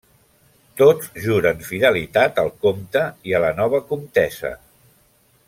Tots juren fidelitat al comte i a la nova comtessa.